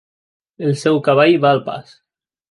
El seu cavall va al pas.